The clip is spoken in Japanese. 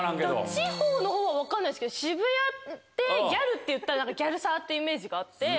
地方のほうは分かんないですけど渋谷ってギャルっていったらギャルサーっていうイメージがあって。